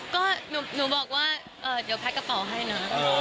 ก็หนูบอกว่าเดี๋ยวแพ็กกระเป๋าให้นะ